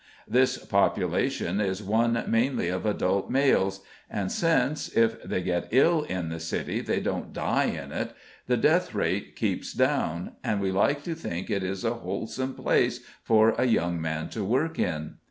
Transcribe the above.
This population is one mainly of adult males, and since, if they get ill in the City they don't die in it, the death rate keeps down, and we like to think it is a wholesome place for a young man to work in.